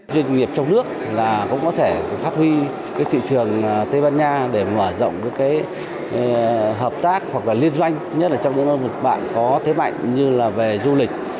doanh nghiệp trong nước là cũng có thể phát huy cái thị trường tây ban nha để mở rộng cái hợp tác hoặc là liên doanh nhất là trong các nước bạn có thế mạnh như là về du lịch